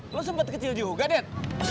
lo sempet kecil juga det